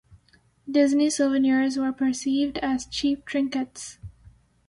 Disney souvenirs were perceived as cheap trinkets.